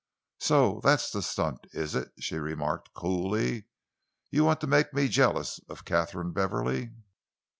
"So that's the stunt, is it?" she remarked coolly. "You want to make me jealous of Katharine Beverley?"